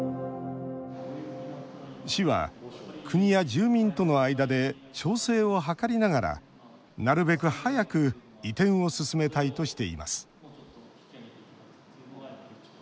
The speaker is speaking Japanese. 市は国や住民との間で調整を図りながら、なるべく早く移転を進めたいとしています